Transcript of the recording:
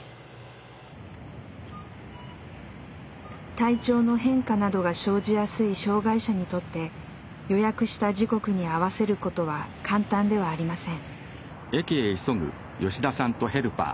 体調の変化などが生じやすい障害者にとって予約した時刻に合わせることは簡単ではありません。